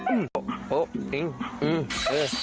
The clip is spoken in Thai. โหโหดึงอืม